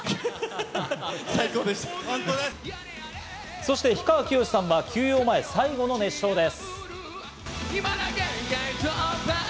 そして氷川きよしさんは休養前、最後の熱唱です。